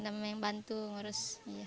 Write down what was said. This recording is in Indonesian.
mama yang bantu ngurus